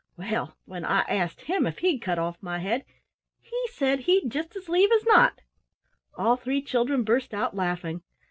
Well, when I asked him if he'd cut off my head, he said he'd just as lief as not!" All three children burst out laughing.